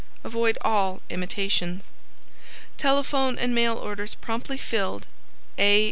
Avoid all imitations. TELEPHONE AND MAIL ORDERS PROMPTLY FILLED A.